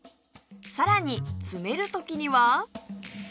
さらに詰める時には？